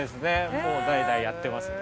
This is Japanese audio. もう代々やってますので。